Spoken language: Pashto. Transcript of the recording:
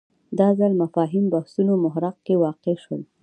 دا ځل مفاهیم بحثونو محراق کې واقع شول